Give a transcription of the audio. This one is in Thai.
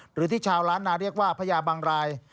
หรือที่ชาวล้านนาเรียกว่าพญาบางราย